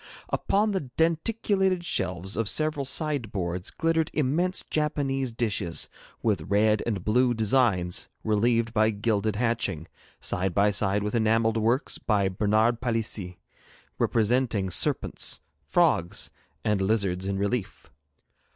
Upon the denticulated shelves of several sideboards glittered immense Japanese dishes with red and blue designs relieved by gilded hatching, side by side with enamelled works by Bernard Palissy, representing serpents, frogs, and lizards in relief.